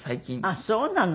ああそうなの。